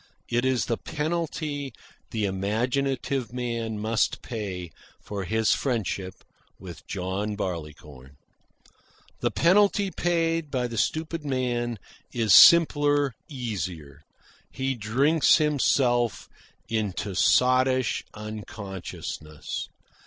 It is the penalty the imaginative man must pay for his friendship with John Barleycorn. The penalty paid by the stupid man is simpler, easier. He drinks himself into sottish unconsciousness.